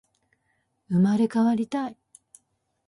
生まれ変わりたい